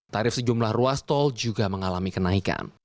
tarif sejumlah ruas tol juga mengalami kenaikan